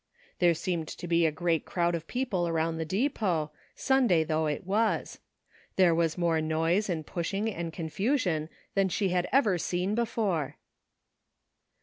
There seemed to be a great crowd of people around the depot, Sunday though it was. There was more noise and pushing and confusion than she had ever seen before.